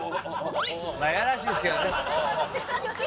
やらしいですけどね。